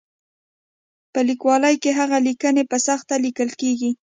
په لیکوالۍ کې هغه لیکنې په سخته لیکل کېږي.